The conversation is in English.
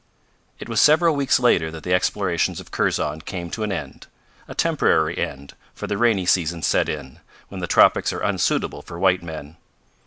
It was several weeks later that the explorations of Kurzon came to an end a temporary end, for the rainy season set in, when the tropics are unsuitable for white men.